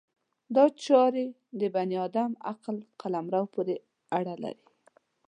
دا چارې د بني ادم عقل قلمرو پورې اړه لري.